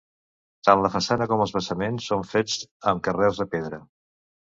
Tant la façana com els basaments són fets amb carreus de pedra.